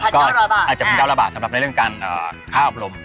ก็อาจจะมีการระบาดสำหรับในเรื่องการฆ่าอบรม